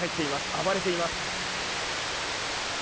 暴れています。